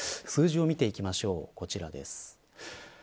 数字を見ていきましょうこちらです。